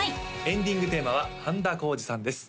エンディングテーマは半田浩二さんです